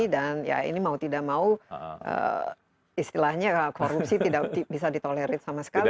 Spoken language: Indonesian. dan ya ini mau tidak mau istilahnya korupsi tidak bisa ditolerir sama sekali ya